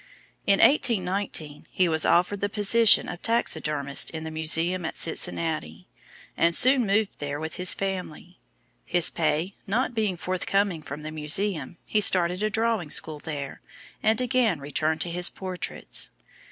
In 1819 he was offered the position of taxidermist in the museum at Cincinnati, and soon moved there with his family. His pay not being forthcoming from the museum, he started a drawing school there, and again returned to his portraits.